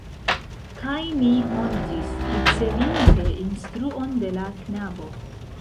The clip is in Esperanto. Kaj ni hontis, ricevinte instruon de la knabo.